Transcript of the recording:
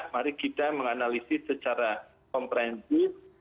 mari kita menganalisis secara komprehensif